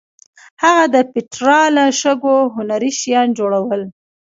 هغه د پېټرا له شګو هنري شیان جوړول.